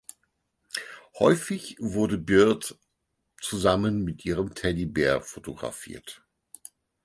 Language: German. Häufig wurde Beard zusammen mit ihrem Teddybär fotografiert.